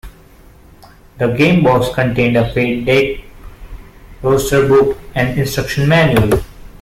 The game box contained a Fate Deck, roster book, and instruction manual.